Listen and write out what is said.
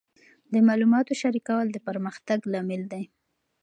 د معلوماتو شریکول د پرمختګ لامل دی.